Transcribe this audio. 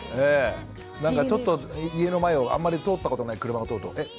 なんかちょっと家の前をあんまり通ったことない車が通るとえっ